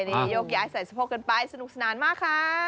นี่ยกย้ายใส่สะโพกกันไปสนุกสนานมากค่ะ